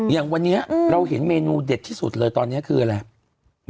อย่างวันนี้เราเห็นเมนูเด็ดที่สุดเลยตอนนี้คืออะไร